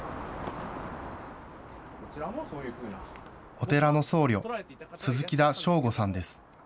お寺の僧侶、鈴木田祥悟さんです。